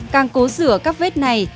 càng cố rửa các vết này